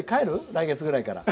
来月ぐらいから。